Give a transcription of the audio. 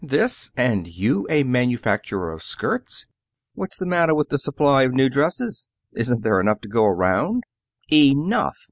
"This! And you a manufacturer of skirts!" "What's the matter with the supply of new dresses? Isn't there enough to go round?" "Enough!